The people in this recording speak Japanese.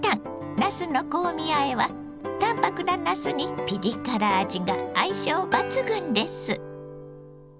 なすの香味あえは淡白ななすにピリ辛味が相性抜群です。